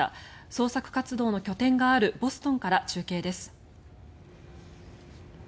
捜索活動の拠点があるボストンから中継です。